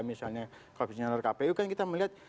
misalnya komisioner kpu kan kita melihat